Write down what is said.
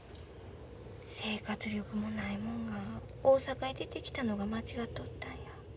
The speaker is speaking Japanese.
生活力もないもんが大阪へ出てきたのが間違っとったんや。